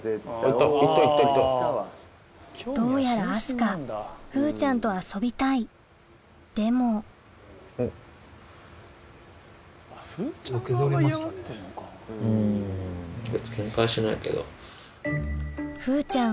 どうやら明日香風ちゃんと遊びたいでも風ちゃん